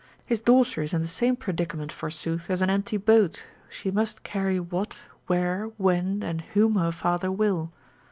His daughter is in the same predicament forsooth, as an empty boat, she must carry what, where, when, and whom her father will.